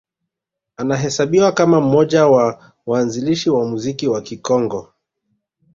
Anahesabiwa kama mmoja wa waanzilishi wa muziki wa Kikongo